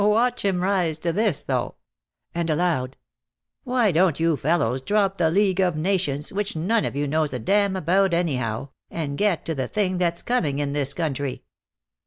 "Watch him rise to this, though." And aloud: "Why don't you fellows drop the League of Nations, which none of you knows a damn about anyhow, and get to the thing that's coming in this country?"